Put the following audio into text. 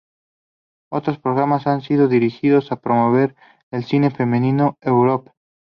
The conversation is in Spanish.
Otros programas han ido dirigidos a promover el cine femenino: "Europe!